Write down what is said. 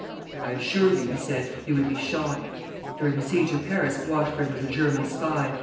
'I assure you,' he said, 'you would be shot.' During the siege of Paris, Washburne was a German spy.